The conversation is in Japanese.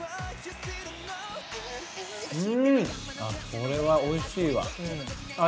これはおいしいわ。